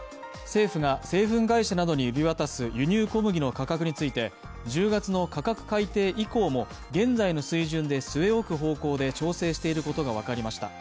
政府が製粉会社などに売り渡す輸入小麦の価格について１０月の価格改定以降も現在の水準で据え置く方向で調整していることが分かりました。